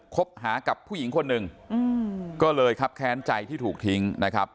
คบหากับผู้หญิงคนหนึ่งก็เลยครับแค้นใจที่ถูกทิ้งนะครับ